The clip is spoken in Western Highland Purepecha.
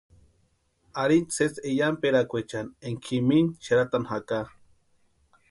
Arhintʼa sésï eyamperakweechani énka jimini xarhatanhani jaka.